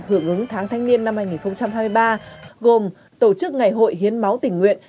hưởng ứng tháng thanh niên năm hai nghìn hai mươi ba gồm tổ chức ngày hội hiến máu tình nguyện